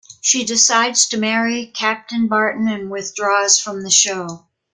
She decides to marry Captain Barton and withdraws from the show.